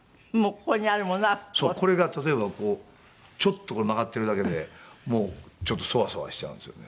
これが例えばこうちょっと曲がってるだけでもうちょっとソワソワしちゃうんですよね。